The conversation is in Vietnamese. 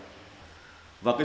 đỗ văn minh đã